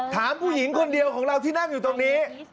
ถามผู้หญิงคนเดียวของเราที่นั่งอยู่ตรงนี้